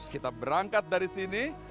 kita berangkat dari sini